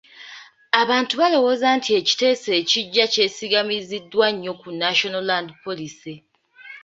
Abantu balowooza nti ekiteeso ekiggya kyesigamiziddwa nnyo ku National Land Policy.